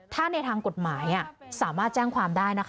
ถ้าในทางกฎหมายอ่ะ